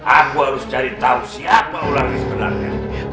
aku harus cari tahu siapa ular ini sebenarnya